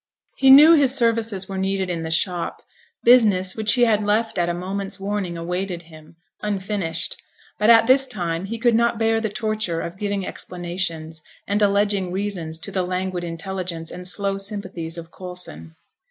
He knew his services were needed in the shop; business which he had left at a moment's warning awaited him, unfinished; but at this time he could not bear the torture of giving explanations, and alleging reasons to the languid intelligence and slow sympathies of Coulson.